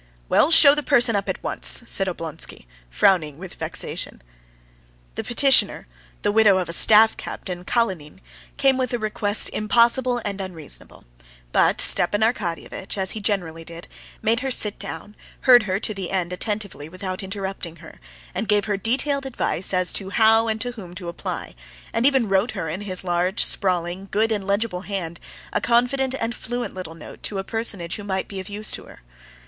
"Well, show the person up at once," said Oblonsky, frowning with vexation. The petitioner, the widow of a staff captain Kalinin, came with a request impossible and unreasonable; but Stepan Arkadyevitch, as he generally did, made her sit down, heard her to the end attentively without interrupting her, and gave her detailed advice as to how and to whom to apply, and even wrote her, in his large, sprawling, good and legible hand, a confident and fluent little note to a personage who might be of use to her.